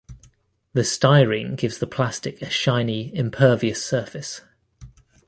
The styrene gives the plastic a shiny, impervious surface.